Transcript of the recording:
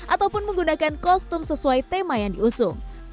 ataupun menggunakan kostum sesuai tema yang diusung